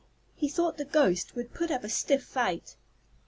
He thought the "ghost" would put up a stiff fight.